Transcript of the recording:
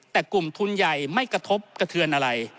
แต่กลุ่มทุนใหญ่ไม่กระทบกระเทือนอะไร